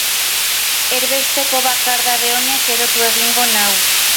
Erbesteko bakardade honek erotu egingo nau.